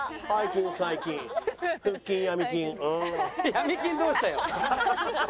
闇金どうしたよ。